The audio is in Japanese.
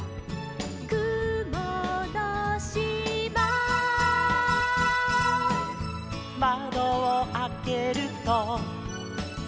「くものしま」「まどをあけると」